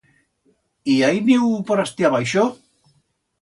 I hai nieu por astí abaixo?